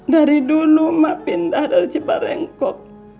dari dulu emak pindah dari cibarengkok